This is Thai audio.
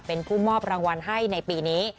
เป็นผู้มอบรางวัลให้ในปีนี้